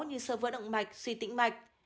như sơ vỡ động mạch suy tĩnh mạch